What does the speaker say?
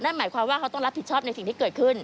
นั่นหมายความว่าเขาต้องรับผิดชอบในสิ่งที่เกิดขึ้น